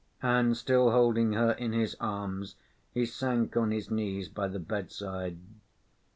And still holding her in his arms, he sank on his knees by the bedside.